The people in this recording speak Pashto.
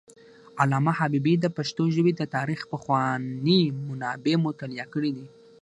علامه حبیبي د پښتو ژبې د تاریخ پخواني منابع مطالعه کړي دي.